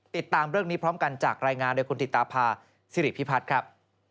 ติดตามเรื่องนี้พร้อมกันจากรายงานโดยคุณธิตาพาสิริพิพัฒน์ครับ